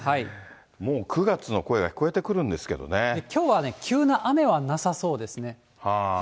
もう９月の声が聞こえてくるんできょうはね、急な雨はなさそうですね。